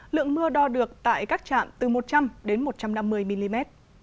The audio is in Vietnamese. lượng mưa đo được tại các trạm từ một trăm linh đến một trăm năm mươi mm